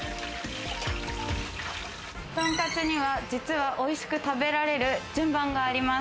トンカツには実は美味しく食べられる順番があります。